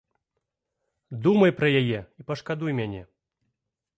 Думай пра яе i пашкадуй мяне.